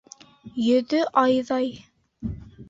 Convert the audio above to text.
Йөҙө айҙай